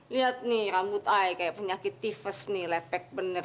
lihat nih rambut eye kayak penyakit tifus nih lepek bener